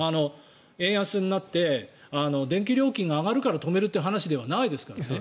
円安になって電気料金が上がるから止めるという話ではないからね。